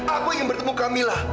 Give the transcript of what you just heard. aku ingin bertemu kamilah